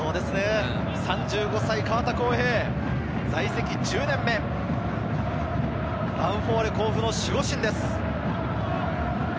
３５歳の河田晃兵、在籍１０年目、ヴァンフォーレ甲府の守護神です。